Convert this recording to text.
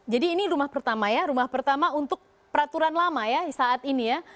jadi ini rumah pertama ya rumah pertama untuk peraturan lama ya saat ini ya